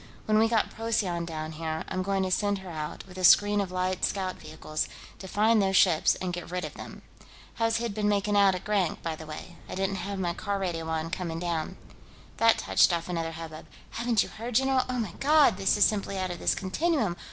"When we get Procyon down here, I'm going to send her out, with a screen of light scout vehicles, to find those ships and get rid of them.... How's Hid been making out, at Grank, by the way? I didn't have my car radio on, coming down." That touched off another hubbub: "Haven't you heard, general?" ... "Oh, my God, this is simply out of this continuum!"